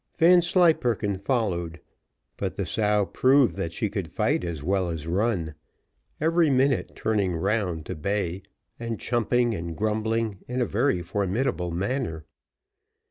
Vanslyperken followed; but the sow proved that she could fight as well as run, every minute turning round to bay, and chumping and grumbling in a very formidable manner.